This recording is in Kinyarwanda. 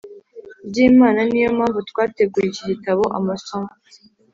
ry Imana Ni yo mpamvu twateguye iki gitabo Amasomo